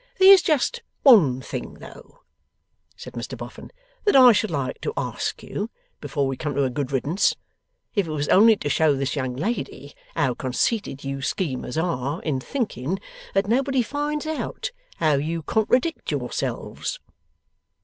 'There's just one thing though,' said Mr Boffin, 'that I should like to ask you before we come to a good riddance, if it was only to show this young lady how conceited you schemers are, in thinking that nobody finds out how you contradict yourselves.